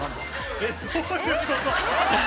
えっどういうこと？